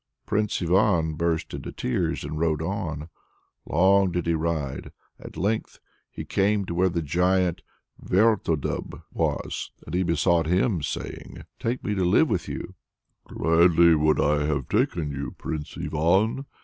Prince Ivan burst into tears and rode on. Long, long did he ride. At length he came to where the giant Vertodub was, and he besought him, saying: "Take me to live with you." "Gladly would I have taken you, Prince Ivan!"